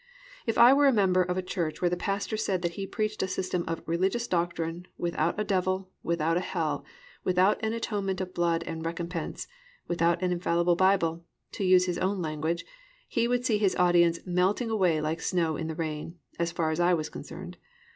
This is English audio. If I were a member of a church where the pastor said that he preached a system of "religious doctrine, without a devil, without a hell, without an atonement of blood and recompense, without an infallible Bible," to use his own language, he would see his audience "melting away like snow in the rain" as far as I was concerned.